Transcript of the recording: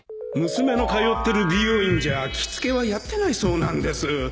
娘の通ってる美容院じゃ着付けはやってないそうなんです